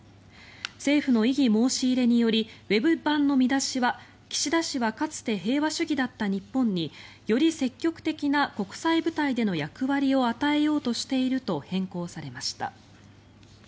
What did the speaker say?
政府の異議申し入れによりウェブ版の見出しは岸田氏はかつて平和主義だった日本により積極的な国際舞台での役割を与えようとしていると変更されました。